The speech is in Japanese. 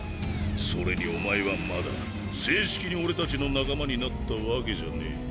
それにお前はまだ正式に俺たちの仲間になったわけじゃねえ。